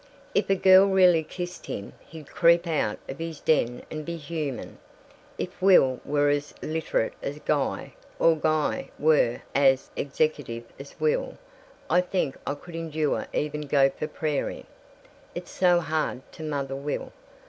"If a girl really kissed him, he'd creep out of his den and be human. If Will were as literate as Guy, or Guy were as executive as Will, I think I could endure even Gopher Prairie. It's so hard to mother Will.